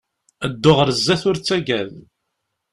Ddu ɣer sdat ur ttaggad!